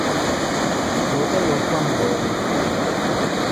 Odeloswa ndodo